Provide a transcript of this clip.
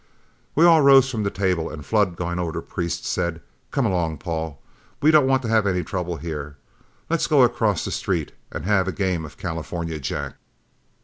We all rose from the table, and Flood, going over to Priest, said, "Come along, Paul we don't want to have any trouble here. Let's go across the street and have a game of California Jack."